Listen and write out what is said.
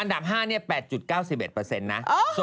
อันดับ๕เนี้ย๘๙๑เปอร์เซ็นต์นะ